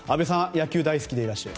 野球大好きでいらっしゃる。